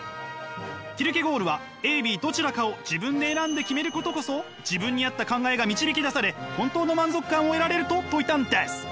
キルケゴールはＡＢどちらかを自分で選んで決めることこそ自分に合った考えが導き出され本当の満足感を得られると説いたんです！